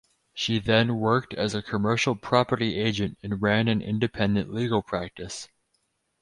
She then worked as a commercial property agent and ran an independent legal practice.